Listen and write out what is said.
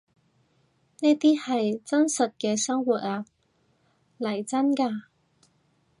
呢啲係真實嘅生活呀，嚟真㗎